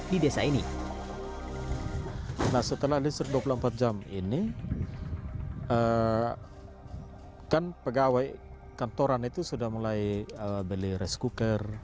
di desa ini nah setelah listrik dua puluh empat jam ini kan pegawai kantoran itu sudah mulai beli rice cooker